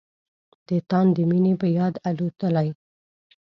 د تاندې مينې په یاد الوتای